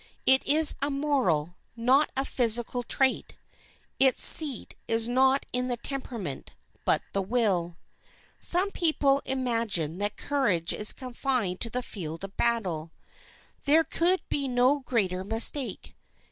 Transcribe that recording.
It is a moral, not a physical trait. Its seat is not in the temperament, but the will. Some people imagine that courage is confined to the field of battle. There could be no greater mistake.